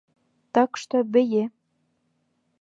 Так что бейе!